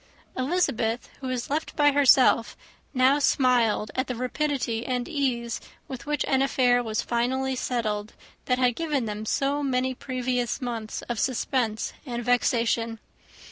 Elizabeth, who was left by herself, now smiled at the rapidity and ease with which an affair was finally settled, that had given them so many previous months of suspense and vexation.